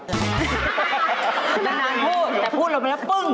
นานพูดแต่พูดลงไปแล้วปึ้ง